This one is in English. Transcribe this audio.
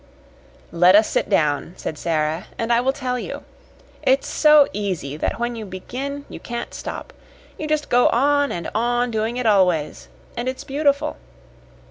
"Let us sit down," said Sara, "and I will tell you. It's so easy that when you begin you can't stop. You just go on and on doing it always. And it's beautiful.